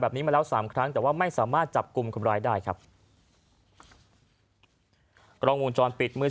มาแล้วสามครั้งแต่ว่าไม่สามารถจับกลุ่มคนร้ายได้ครับกล้องวงจรปิดเมื่อ